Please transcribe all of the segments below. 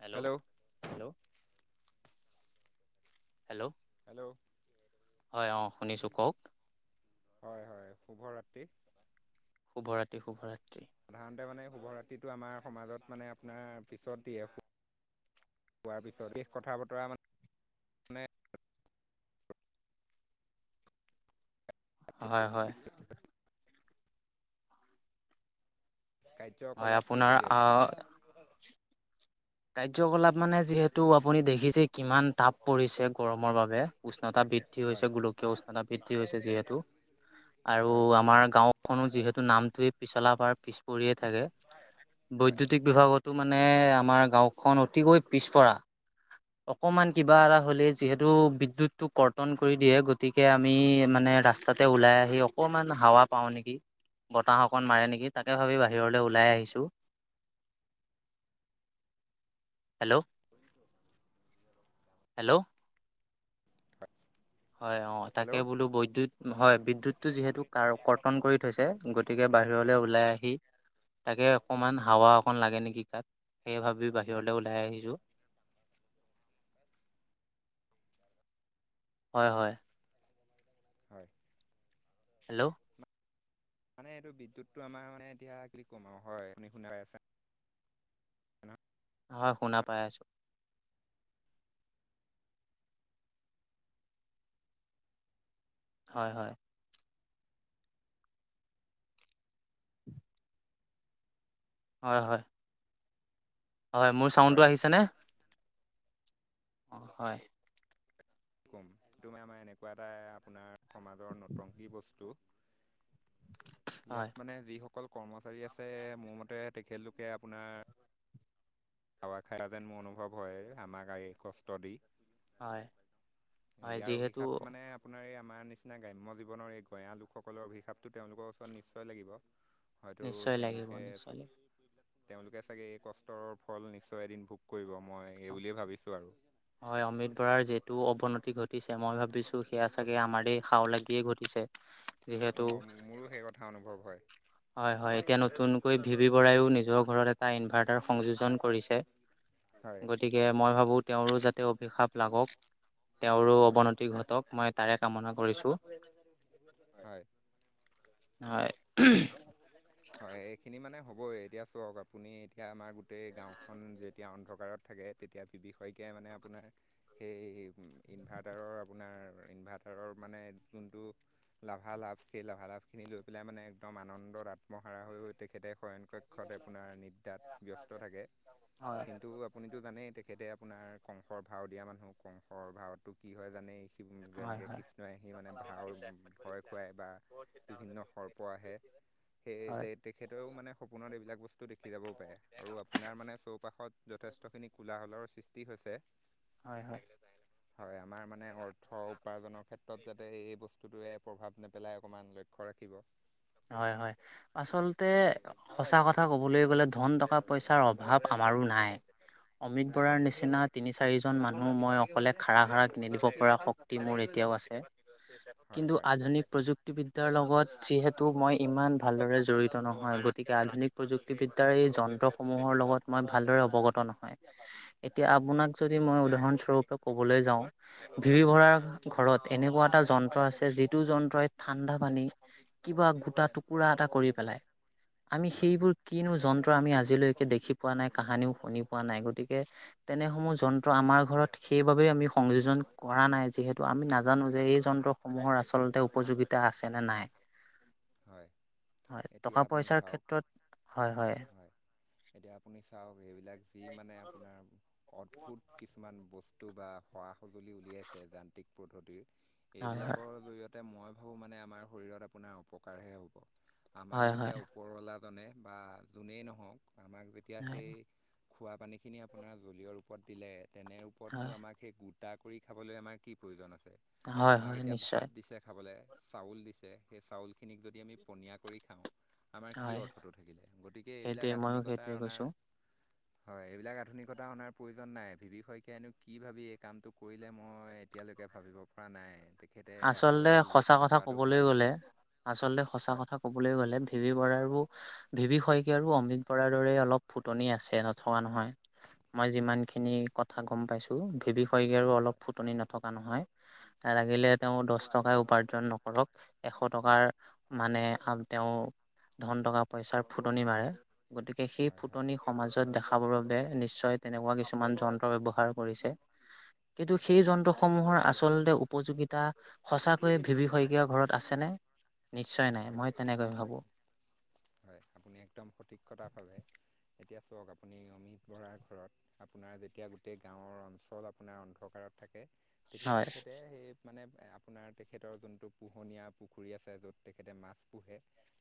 Hello hello hello hello হয় অঁ শুনিছোঁ কওক হয় হয় শুভ ৰাতি্ৰি শুভৰাত্ৰি শুভৰাত্ৰি সাধাৰণতে মানে শুভৰাত্ৰিটো আমাৰ সমাজত মানে আপোনাৰ পিছত হোৱাৰ পিছত শে কথা বতৰা মানে মানে হয় হয় হয় কাৰ্যকলাপ কি আপোনাৰ চলি আছে আহ কাৰ্যকলাপ মানে যিহেতু আপুনি দেখিছে কিমান তটাপ পৰিছে গৰমৰ বাবে উষ্ণতা বৃদ্ধি হয় হৈছে গোলকীয় উষ্ণতা বৃদ্ধি হৈছে যিহেতু আৰু হয় আমাৰ গাঁও কো যিহেতু নামটোৱে পিছলাাবাৰ পিছ পৰিয়ে থাকে হয় বৈদ্য়ুতিক বিভাগতো মানে আমাৰ গাঁওখন অতিকৈ পিছপৰা অকমান কিবা এটা হ'লে যিহেতু বিদ্যুত টো কৰ্তন কৰি দিয়ে গতিক আমি মানে ৰাস্তাতে ওলাই আহি অকমান হাৱা পাওঁ নেকি বতাহ অকন মাৰে নেকি তাকে ভাবি বাহিৰলৈ ওলাই আহিছো হেল্ল' হেল্ল' হয় হয় অ তাকে হেল্ল' বোলো বৈদ্যুত হয় বিদ্যুত টো যিহেতু কাৰ কৰ্তন কৰি থৈছে গতিকে বাহিৰলৈ ওলাই আহি তাকে অকমান হাৱা অকন লাগে নেকি তাত সেই ভাবি হয় বাহিৰলৈ ওলাই আহিছো হয় হয় হয় হেল্ল' মানে এইটো বিদ্যুতটো আমাৰ মানে এতিয়া কি কম আৰু হয় আপুনি শুনাই আছা অ হয় শুনা পাই আছো হয় হয় হয় হয় হয় মোৰ চাউণ্ডটো হয় আহিছেনে অঁ হয় ক'ম তুমাৰ আমাৰ এনেকুৱা এটা আপোনাৰ সমাজৰ নতংকী বস্তু [unintelligible] ইয়াত মানে যিসকল কৰ্মচাৰী আছে মোৰ মতে তেখেতলোকে আপোনাৰ হাৱা খাইা যেন মোৰ অনুভৱ হয়, আমাৰ গাড়ীৰ কষ্ট দি। হয়। হয় ইয়াৰ যিহেতু অভিশাপ মানে আপোনাৰ এই আমাৰ নিচিনা গ্ৰাম্য জীৱনৰ এই গঞয়া লোকসকলৰ অভিশাপটো তেওঁলোকৰ ওচৰত নিশ্চয় লাগিব। হয়তো নিশ্চয় লাগিব তেওঁলোকে নিশ্চয় লাগিব তেওঁলোকে চাগে এই কষ্টৰৰ ফল নিশ্চয় এদিন ভোগ কৰিব মই এই বুলিয়েই ভাবিছোঁ আৰু। হয়, অমিত বৰাৰ যিহেতু অৱনতি ঘটিছে, মই ভাবিছোঁ সেয়া চাগে আমাৰ খাও লাগিয়ে ঘটিছে। [inaudible] ম মোৰো সেই কথা অনুভৱ হয়। হয় হয়, এতিয়া নতুনকৈ ভি ভি বৰাইও নিজৰ ঘৰত এটা ইনভাৰ্টাৰ সংযোজন কৰিছে। হয়। গতিকে মই ভাবোঁ, তেওঁৰো যাতে অভিশাপ লাগক, তেওঁৰো হয় অৱনতি ঘটক মই তাৰে কামনা কৰিছোঁ। হয়। হয়। হয় এইখিনি মানে হ'বই। এতিয়া চাওক আপুনি এতিয়া আমাৰ গোটেই গাঁওখন যেতিয়া অন্ধকাৰত থাকে তেতিয়া বিবি শইকীয়াই মানে আপোনাৰ সেই ইনভাৰ্টাৰৰ আপোনাৰ ইনভাৰ্টাৰৰ মানে যোনটো লাভালাভ সেই লাভালাভখিনি লৈ পেলাই মানে একদম আনন্দত আত্মহাৰা হৈ তেখেতে শয়ণ কৰে। প্ৰক্ষত আপোনাৰ নিদ্ৰাত ব্যস্ত থাকে। হয় কিন্তু আপুনিতো জানেই তেখেতে আপোনাৰ কংসৰ ভাও দিয়া মানুহ, কংসৰ ভাওত তো কি হয় জানেই, সি হয় যেনেকৈ হয় কৃষ্ণই আহি মানে ভাওৰ ভয় খুৱাই বা বিভিন্ন সৰ্প আহে সেই হয় তে-তেখেতেও মানে সপোনত এইবিলাক বস্তু দেখি যাবও পাৰে আৰু আপোনাৰ চৌপাশত মানে যথেষ্টখিনি কোলাহলৰ সৃষ্টি হৈছে হয়, হয়। হয়, আমাৰ মানে অৰ্থ উপাৰ্জনৰ ক্ষেত্ৰত যাতে এই বস্তুটোৱে প্ৰভাৱ নেপেলাই অকণমান লক্ষ্য ৰাখিব। হয়, হয়। আচলতে সঁচা কথা ক'বলৈ গ'লে ধন টকা পইচাৰ অভাৱ আমাৰো নাই। অমিত বৰাৰ হয় নিচিনা তিনি চাৰিজন মানুহ মই অকলে খাৰা খাৰা কিনি দিব পৰা শক্তি মোৰ এতিয়াও আছে। হয় কিন্তু হয় আধুনিক প্ৰযুক্তিৰ যোক্তিবিদ্যাৰ লগত যিহেতু মই ইমান ভালদৰে জড়িত নহয় গতিকে আধুনিক প্ৰযুক্তিবদ্যয়াৰ এই যন্ত্ৰসমূহৰ লগত মই ভালদৰে অৱগত নহয়। এতিয়া হয় আপোনাক যদি মই উদাহৰণস্বৰূপে ক'বলৈ যাওঁ ভিভি ভৰাৰ ঘৰত এনেকুৱা এটা যন্ত্ৰ আছে যিটো যন্ত্ৰই ঠাণ্ডা পানী কিবা গোটা টুকুৰা এটা কৰি পেলাই আমি হয় হয় সেইবোৰ কিনো যন্ত্ৰ আমি আজিলৈকে দেখি পোৱা নাই, কাহানিও শুনি পোৱা নাই গতিকে তেনেসমূহ যন্ত্ৰ আমাৰ ঘৰত সেইবাবেই আমি সংযোজন কৰা নাই যিহেতু আমি নাজানো যে এই যন্ত্ৰসমূহৰ আচলতে উপযোগিতা আছেনে নাই। হয় হয়। এতিয়া টকা আপুনি পইচাৰ ক্ষেত্ৰত চাওক হয়, হয়। এতিয়া আপুনি চাওক এইবিলাক যি মানে আপোনাৰ অদ্ভুত কিছুমান বস্তু বা সৰা সঁজুলি উলিয়াইছে যান্ত্ৰিক পদ্ধতিৰ, হয় হয় এইবিলাকৰ জৰিয়তে মই ভাবোঁ মানে আমাৰ শৰীৰৰত আপোনাৰ অপকাৰহে হ'ব। আমাক হয় যেতিয়া ওপৰৱালাজনে বা যোনেই নহওক আমাক যেতিয়া হয় সেই খোৱা পানীখিনি আপোনাৰ জলীয়ৰ ওপৰত দিলে তেনে ওপৰতনো হয় আমাক সেই গোট টা কৰি খাবলৈ আমাৰ কি প্ৰয়োজন আছে, হয় আমাক হয় এতিয়া ভাত নিশ্চয় দিছে খাবলৈ। চাউল দিছে, সেই চাউলখিনিক যদি আমি পনীয়া কৰি খাওঁ আমাৰ কি হয় অৰ্থটো থাকিলে। গতিকে এইবিলাক সেইটোৱে ময়ো আধুনিকতা সেইটোৱে অনাৰ কৈছো হয়, এইবিলাক আধুনিকতা অনাৰ প্ৰয়োজন নাই বিবি শইকীয়নো কি ভাবি এই কামটো কৰিলে মই এতিয়ালৈকে ভাবিব পৰা নাই। তেখেতে আকৌ আচলতে এবাৰ সঁচা বিবেচনা কথা কৰাটো ক'বলৈ ভাল গ'লে আচলতে সঁচা হয় কথা। ক'বলৈ গ'লে বিবি বৰাৰো। ভিভি শইকীয়া আৰু অমৃত বৰাৰ দৰে অলপ ফুটনি আছে নথকা নহয়। মই যিমান খিনি কথা গম পাইছো ভেৱ হয়গৈ আৰু অলপ হয় ফুটনি নথকা নহয়, লাগিলে। হয় তেওঁ দহ টকাই উপাৰ্জন নকৰক এশ টকাৰ মানে তেওঁ ধন টকা পইচাৰ ফুটনি মাৰে গতিকে সেই হয় হয় ফুটনি সমাজত দেখাবৰ বাবে নিশ্চয় তেনেকুৱা কিছুমান যন্ত্ৰ ব্যৱহাৰ কৰিছে। কিন্তু হয় সেই যন্ত্ৰসমূহৰ আচলতে উপযোগিতা সঁচাকৈয়ে ভিভি শইকীয় ঘৰত আছেনে? নিশ্চয় নাই হয় মই তেনেকৈ ভাবো। হয়, আপুনি একদম সঠিক কথাভাৱে এতিয়া চাওক আপুনি অমিত বৰাৰ ঘৰত। আপোনাৰ যেতিয়া গোটেই গাঁৱৰ অঞ্চল আপোনাৰ অন্ধকাৰত থাকে, তেতিয়া হয়। তেখেতে সেই মানে আপোনাৰ তেখেতৰ যোনটো পোহনীয়া পুখুৰী আছে য'ত তেখেতে মাছ পোহে।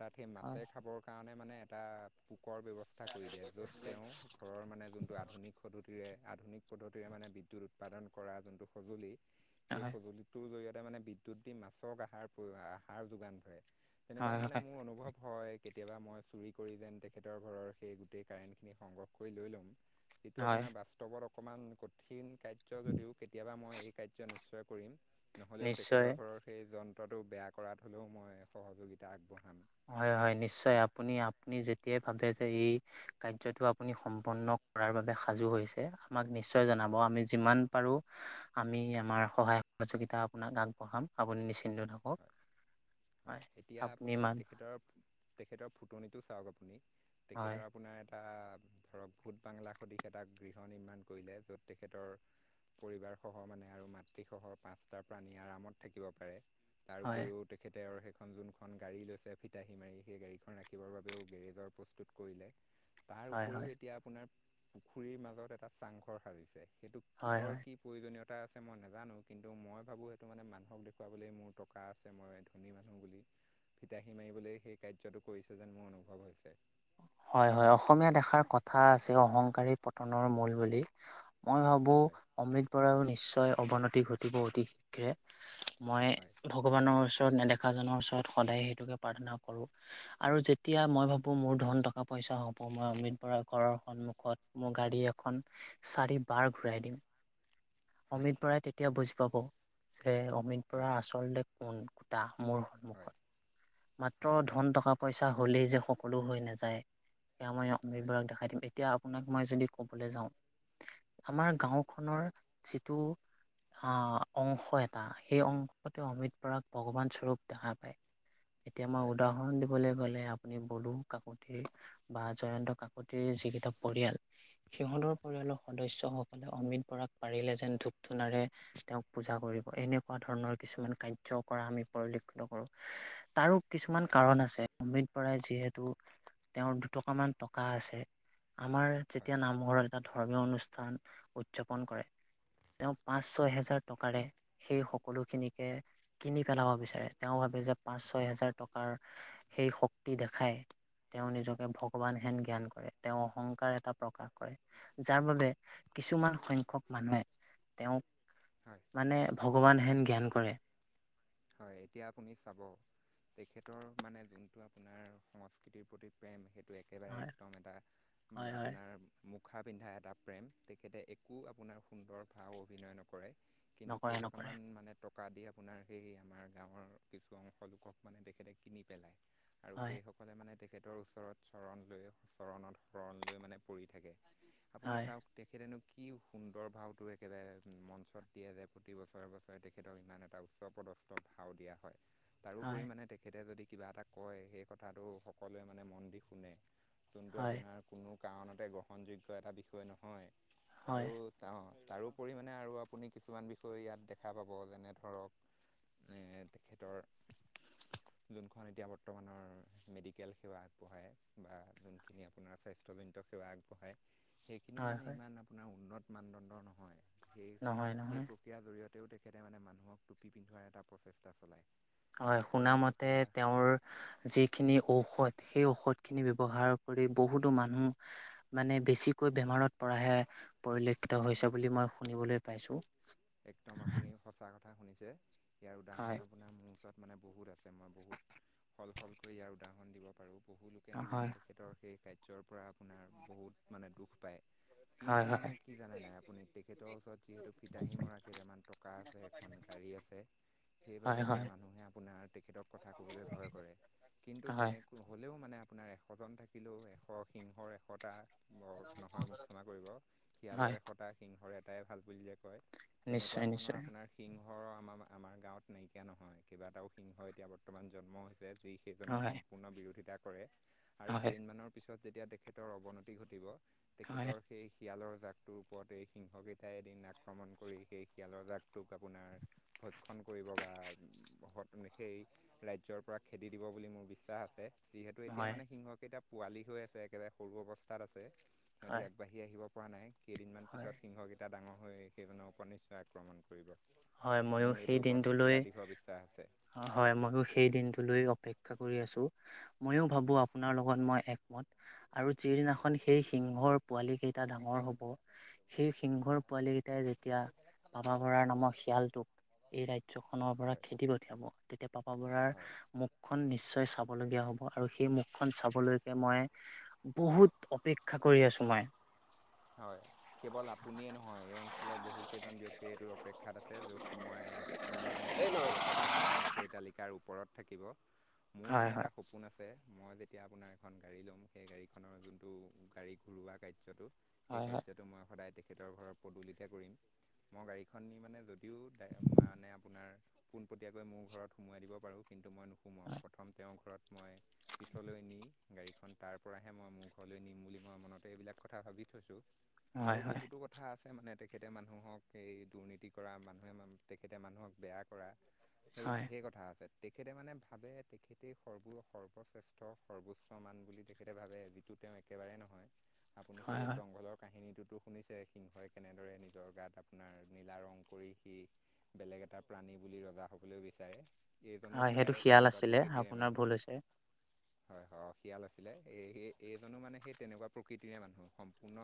তাত সেই মাছে হয় খাবৰ কাৰণে মানে এটা। পোকৰ ব্যৱস্থা কৰি দিয়ে য'ত তেওঁ ঘৰৰ মানে যোনটো আধুনিক সদ্ধতিৰে আধুনিক। পদ্ধতিৰে মানে বিদ্যুৎ উৎপাদন কৰা যোনটো সঁজুলি সেই হয় সঁজুলি। তৰ জৰিয়তে মানে বিদ্যুত দি মাছক আহাৰ আহাৰ যোগান ধৰে। তেনেকুৱাত মানে হয় মোৰ অনুভৱ হয়। কেতিয়াবা মই চুৰি কৰি যেন তেখেতৰ ঘৰৰ সেই গোটেই কাৰেণ্টখিনি সংগ্ৰহ কৰি লৈ ল'ম। যিটো হয় আপোনাৰ বাস্তৱত অকণমান কঠিন। কাৰ যদিও কেতিয়াবা মই এই কাৰ্য নিশ্চয় কৰিম নহ'লেও নিশ্চয় তেখেতৰ ঘৰত। সেই যন্ত্ৰটো বেয়া কৰাত হ'লেও মই সহযোগিতা আগবঢ়াম। হয়, হয় নিশ্চয় আপুনি আপুনি যেতিয়াই ভাবে যে এই কাৰ্যটো আপুনি সম্পন্ন কৰাৰ বাবে সাজু হৈছে। আমাক নিশ্চয় জনাব হয় আমি যিমান পাৰোঁ। আমি আমাৰ সহায় সহযোগিতা আপোনাক আগবঢ়াম আপুনি নিশ্চিন্ত থাকক। হয়, হয় এতিয়া আপুনি তেখেতৰ। তেখেতৰ ফুটনিটো চাওক আপুনি হয় তেখেতৰ আপোনাৰ এটা ধৰক ভূত বাংলা সদশ এটা গৃহ নিৰ্মাণ কৰিলে য'ত তেখেতৰ পৰিবাৰসহ মানে আৰু মাতৃসহ পাঁচটা প্ৰাণী আৰামত থাকিব পাৰে তাৰ হয় উপৰিও। তেখেতে আৰু সেইখন যোনখন গাড়ী লৈছে ফিতাহী মাৰি সেই গাড়ীখন ৰাখিবৰ বাবেও গেৰেজৰ প্ৰস্তুত। কৰিলে। তাৰ হয় উপৰিও হয় এতিয়া আপোনাৰ পুখুৰীৰ মাজত এটা চাংঘৰ সাজিছে সেইটো হয় কিহৰ হয় কি। প্ৰয়োজনীয়তা আছে মই নাজানো কিন্তু ভাবো সেইটো মানে মানুহক দেখুৱাবলৈ মোৰ ত থকা আছে মই ধনী মানুহ বুলি ফিতাহী মাৰিবলৈ সেই কাৰ্যটো কৰিছে যেন মোৰ অনুভৱ হৈছে। হয়, হয় অসমীয়া দেখাৰ কথা আছে অহংকাৰী পতনৰ মূল বুলি। মই ভাবো হয়। অমিত বৰাো নিশ্চয় অৱনতি ঘটিব অতি শীঘ্ৰে। মই হয় ভগৱানৰ ওচৰত নেদেখাজনৰ ওচৰত সদায় সেইটোকে প্ৰাৰ্থনা কৰোঁ। আৰু যেতিয়া মই ভাবো মোৰ ধন টকা। টকা পইচা হ'ব মই অমৃত বৰা ঘৰৰ সন্মুখত মোৰ গাড়ী এখন। চাৰি বাৰ ঘূৰাই দিম। হয় অমিত বৰাই তেতিয়া বুজি পাব যে অমিত হয় বৰা আচলতে কোন কুটা মোৰ হয় হয় সন্মুখত মাত্ৰ হয় ধন টকা। পইচা হ'লেই যে সকলো হৈ নাযায়। সেইয়া মই অমিত হয় বৰাক দেখাই দিম এতিয়া আপোনাক মই যদি কবলৈ যাওঁ আমাৰ হয় গাঁও। খনৰ যিটো। আহ, অংশ এটা সেই অংশতে অমিত বৰাক ভগৱান স্বৰূপ দেখা পায়। এতিয়া হয় মই হয় উদাহৰণ দিবলৈ গ'লে আপুনি বডো কাকতি। বা জয়ন্ত কাকতিৰ যিকেইটা পৰিয়াল সিহঁতৰ পৰিয়ালৰ সদস্য হওঁক অমৃত বৰাক পাৰিলে যেন ধূপ ধূনাৰে তেওঁক পূজা কৰিব, এনেকুৱা ধৰণৰ কিছুমান কাৰ্য কৰা আমি পৰিলক্ষিত কৰোঁ। তাৰো কিছুমান হয় কাৰণ আছে, অমৃত বৰাই যিহেতু তেওঁৰ দুটকা মান টকা আছে আমাৰ হয় যেতিয়া নামঘৰত এটা ধৰ্মীয় অনুষ্ঠান উদযাপন কৰে তেওঁ হয় পাঁচ-ছয় হেজাৰ টকাৰে সেই সকলো খিনিকে কিনি পেলাব বিচাৰে। তেওঁ ভাবে যে পাঁচ-ছয় হাজাৰ টকাৰ সেই শক্তি দেখায় তেওঁ নিজকে ভগৱান হেন জ্ঞান কৰে, তেওঁ অহংকাৰ এটা প্ৰকাশ কৰে। যাৰ বাবে কিছুমান সংখ্যক মানুহে তেওঁক হয়। মানে ভগৱান হেন জ্ঞান কৰে। হয় এতিয়া আপুনি চাব তেখেতৰ মানে যোনটো আপোনাৰ সংস্কৃতিৰ প্ৰতি প্ৰেম সেইটো একেবাৰে হয় একদম এটা হয় হয় আপোনাৰ মুখা পিন্ধা এটা প্ৰেম, তেখেতে একো আপোনাৰ সুন্দৰ ভাৱ অভিনয় নকৰে। কিন্তু নকৰে নকৰে কেইটকামান মানে টকা দি আপোনাৰ সেই আমাৰ গাঁৱৰ কিছু অংশ লোকক মানে তেখেতে কিনি পেলায় আৰু হয় সেই সকলে মানে তেখেতৰ ওচৰত চৰণ লৈ চৰণত শৰণ লৈ মানে পৰি থাকে। আপুনি হয় চাওক তেখেতেনো কি সুন্দৰ ভাৱটো একেবাৰে মঞ্চত দিয়ে যে প্ৰতি বছৰে-বছৰে তেখেতক ইমান এটা উচ উচ্চপদস্থ ভাও দিয়া হয় তাৰো হয় পৰিমাণে তেখেতে যদি কিবা এটা কয় সেই কথাটো সকলোৱে মানে মন দি শুনে যোনটো হয় আপোনাৰ কোনো কাৰণতে গ্ৰহণযোগ্য এটা বিষয় নহয় হয় আৰু অঁ, তাৰোপৰি মানে আৰু আপুনি কিছুমান বিষয় ইয়াত দেখা পাব যেনে ধৰক মানে তেখেতৰ যোনখন এতিয়া বৰ্তমানৰ মেডিকেল সেৱা আগবঢ়ায় বা যোনখিনি আপোনাৰ স্বাস্থ্যজনিত সেৱা আগবঢ়ায় সেইখিনিও হয় মানে হয় ইমান আপোনাৰ উন্নত মানদণ্ড নহয়, নহয় সেই-সেই নহয় প্ৰক্ৰিয়াৰ জৰিয়তেও তেখেতে মানে মানুহক টুপি পিন্ধোৱাৰ এটা প্ৰচেষ্টা চলায়। হয় তেখেতৰ শুনামতে এতিয়া তেওঁৰ যিখিনি ঔষধ সেই ঔষধ খিনি ব্যৱহাৰ কৰি বহুতো মানুহ মানে বেছিকৈ বেমাৰত পৰাহে পৰিলক্ষিত হৈছে বুলি মই শুনিবলৈ পাইছোঁ। একদম আপুনি সঁচা কথা শুনিছে, ইয়াৰ উদাহৰণ হয়, আপোনাৰ মোৰ ওচৰত মানে বহুত আছে মই বহুত সল-সলকৈ ইয়াৰ উদাহৰণ দিব পাৰোঁ। বহুলোকে মানে হয়, তেখেতৰ সেই কাৰ্যৰ পৰা আপোনাৰ বহুত মানে দুখ পায়। হয়, কিন্তু মানে হয়, কি জানে নাই আপুনি তেখেতৰ ওচৰত যিহেতু দাহি মৰা কেইটামান টকা আছে এখন গাড়ী আছে, হয়, সেইবাবে মানে হয়, মানুহে আপোনাৰ তেখেতক কথা ক'বলৈ ভয় কৰে কিন্তু হয়। তেনেক হ'লেও মানে আপোনাৰ এশজন থাকিলেও এশ সিংহৰ এশটা নহয় মোক ক্ষমা কৰিব, হয়, শিয়ালৰ এশটা সিংহৰ এটাই ভাল বুলিয় যে কয়। তেনেকুৱা নিশ্চয়, ধৰণৰ নিশ্চয়, আপোনাৰ সিংহ আমাৰ-আমাৰ গাঁৱত নাইকিয়া নহয়, কেইবাটাও সিংহ এতিয়া বৰ্তমান জন্ম হৈছে যি কেইজনৰ হয়, সম্পূৰ্ণ বিৰোধিতা কৰে আৰু হয়, কেইদিনমানৰ পিছত যেতিয়া তেখেতৰ অৱনতি ঘটিব হয়, হয়। তেখেতৰ সেই শিয়ালৰ জাকটোৰ ওপৰত এই সিংহকেইটাই এদিন আক্ৰমণ কৰি সেই শিয়ালৰ জাকটোক আপোনাৰ ভক্ষণ কৰিব বা সেই ৰাজ্যৰ পৰা খেদি দিব বুলি মোৰ বিশ্বাস আছে। যিহেতু এতিয়া হয়, মানে সিংহকেইটা পোৱালি হৈ আছে একেবাৰে সৰু অৱস্থাত আছে সিহঁতি আগবাঢ়ি আহি আহিব পৰা নাই কেইদিনমান হয়, পিছত সিংহকেইটা ডাঙৰ হৈ সেইজনৰ ওপৰত নিশ্চয় আক্ৰমণ কৰিব। হয়, ময়ো মোৰ সেই সেইটোৰ ওপৰত দিনটোলৈ পুৰা দৃঢ় বিশ্বাস আছে। হয় মইয়ো সেই দিনটোলৈ অপেক্ষা কৰি আছো মইো ভাবো হয় আপোনাৰ লগত ম আৰু হয় যিদিনাখন সেই সিংহৰ পোৱালি কেইটা ডাঙৰ হব সেই সিংহৰ হয় পোৱালি কেইটাই যেতিয়া বাবা বৰাৰ নামত খিয়ালটোক এই ৰাজ্যখনৰ পৰা হয় খেদি পঠিয়াব তেতিয়া পাপা বৰাৰ হয় মুখ মুখখন নিশ্চয় চাবলগীয়া হ'ব আৰু সেই মুখখন চাবলৈকে মই বহুত অপেক্ষা কৰি আছোঁ মই। হয় কেৱল আপুনিয়ে নহয় এই অঞ্চলৰ বহুকেইজন ব্যক্তিয়ে এইটোৰ অপেক্ষাত আছে য'ত মই মোৰ নামটো একেবাৰে আপোনাৰ সেই তালিকাৰ ওপৰত থাকিব। মোৰ হয় মানে এটা হয় সপোন আছে মই যেতিয়া আপোনাৰ এখন গাড়ী ল'ম সেই গাড়ীখনৰ যোনটো গাড়ী ঘূৰৱা কাৰ্যটো, সেই হয় হয় খাদ্যটো মই সদায় তেখেতৰ ঘৰত পদূলতে কৰিম। মই গাড়ীখন নি মানে যদিও ড মানে আপোনাৰ পোনপটীয়াকৈ মোৰ ঘৰত সোমোৱাই দিব পাৰোঁ কিন্তু মই নোসোমাওঁ প্ৰথম তেওঁৰ ঘৰত মই পিছলৈ নি গাড়ীখন তাৰ পৰাহে মই মোৰ ঘৰলৈ নিম বুলি মই মনতে এইবিলাক কথা ভাবি থৈছোঁ। হয় আৰু হয় হয় বহুতো কথা কথা আছে মানে তেখেতে মানুহক এই দুৰ্নীতি কৰা মানুহে তেখেতে মানুহক বেয়া কৰা। সেইবোৰ হয় হয় ধেৰ কথা আছে। তেখেতে মানে ভাবে তেখেতে সৰ্ব সৰ্বশ্ৰেষ্ঠ সৰ্বোচ্চ মমান বুলি তেখেতে ভাবে যিটো তেওঁ একেবাৰে নহয় আপুনি হয় সেই জংঘলৰ কাহিনীটোতো শুনিছে সিংহই কেনেদৰে নিজৰ গাত আপোনাৰ নীলা ৰং কৰি সি বেলেগ এটা প্ৰাণী বুলি ৰজা হ'বলৈও বিচাৰে। এইজনো হয় সেইটো প্ৰায় শিয়াল তেনেকুৱা আছিলে প্ৰকৃতিৰে আপোনাৰ মানুহ। ভুল হৈছে হয় হয় শিয়াল আছিলে এই সেই এইজনো মানে সেই তেনেকুৱা প্ৰকৃতিৰে মানুহ সম্পূৰ্ণ